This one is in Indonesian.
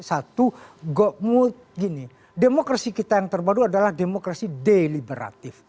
satu demokrasi kita yang terbaru adalah demokrasi deliberatif